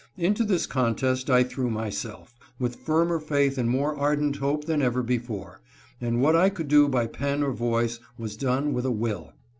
Into this contest I threw myself, with firmer faith and more ardent hope than ever before, and what I could do by pen or voice was done with a will.